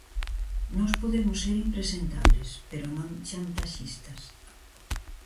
Nós podemos ser impresentables, pero non chantaxistas.